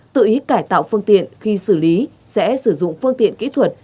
tự ý cải tạo phương tiện khi xử lý sẽ sử dụng phương tiện kỹ thuật